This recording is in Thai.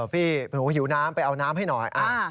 พี่หนูหิวน้ำไปเอาน้ำให้หน่อย